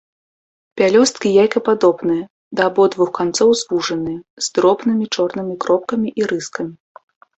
Пялёсткі яйкападобныя, да абодвух канцоў звужаныя, з дробнымі чорнымі кропкамі і рыскамі.